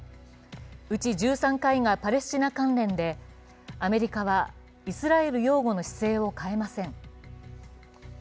うち１３回がパレスチナ関連で、アメリカはイスラエル擁護の姿勢を変えません。